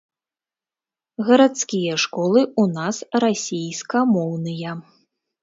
Гарадскія школы ў нас расійскамоўныя.